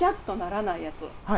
はい。